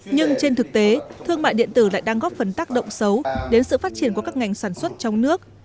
nhưng trên thực tế thương mại điện tử lại đang góp phần tác động xấu đến sự phát triển của các ngành sản xuất trong nước